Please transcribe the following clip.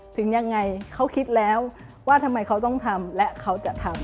ถึงยังไงเขาคิดแล้วว่าทำไมเขาต้องทำและเขาจะทำ